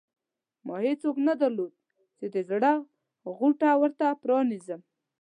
ما هېڅوک نه درلودل چې د زړه غوټه ورته پرانېزم.